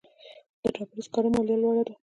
د ډبرو سکرو مالیه لوړه ده